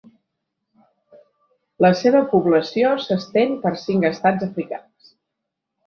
La seva població s'estén per cinc estats africans: